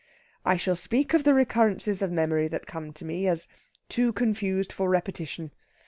I shall speak of the recurrences of memory that come to me, as too confused for repetition.